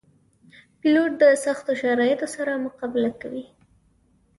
پیلوټ د سختو شرایطو سره مقابله کوي.